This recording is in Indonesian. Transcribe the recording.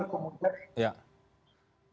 oke jadi kalau ada koalisi